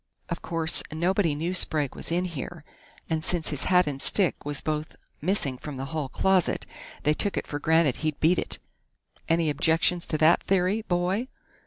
Of course, nobody knew Sprague was in here, and since his hat and stick was both missing from the hall closet, they took it for granted he'd beat it.... Any objections to that theory, boy?"